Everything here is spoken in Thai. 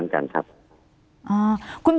คุณหมออย่างกรณีเรื่องของการชุมนุม